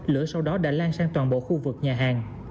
lửa sau đó đã lan sang toàn bộ khu vực nhà hàng